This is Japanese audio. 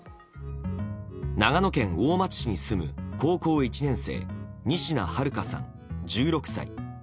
長野県大町市に住む高校１年生仁科日花さん、１６歳。